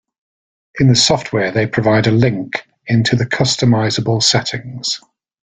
In the software, they provide a link into the customizable settings.